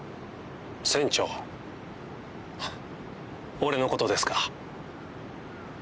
俺のことですか？